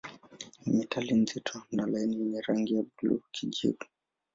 Ni metali nzito na laini yenye rangi ya buluu-kijivu.